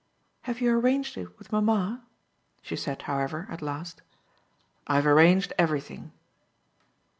"Have you arranged it with mamma?" she said, however, at last. "I've arranged everything."